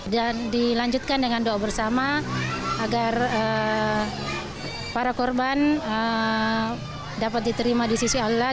dan dilanjutkan dengan doa bersama agar para korban dapat diterima di sisi allah